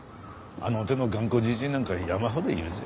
あの手の頑固じじいなんか山ほどいるぜ。